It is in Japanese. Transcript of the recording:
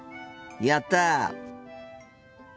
やった！